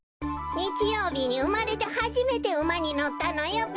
にちようびにうまれてはじめてうまにのったのよべ。